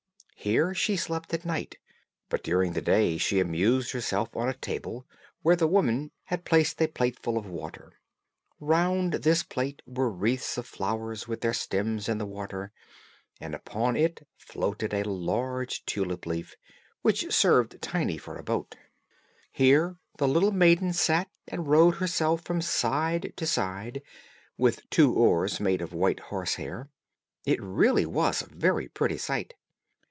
Here she slept at night, but during the day she amused herself on a table, where the woman had placed a plateful of water. Round this plate were wreaths of flowers with their stems in the water, and upon it floated a large tulip leaf, which served Tiny for a boat. Here the little maiden sat and rowed herself from side to side, with two oars made of white horse hair. It really was a very pretty sight.